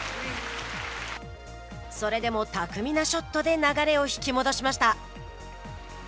それでも巧みなショットで流れを引き戻しました。